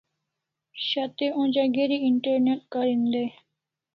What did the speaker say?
Shat'e onja geri internet karin dai